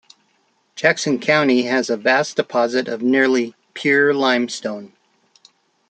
Jackson County has a vast deposit of nearly pure limestone.